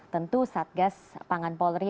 tentu satgas pangan polri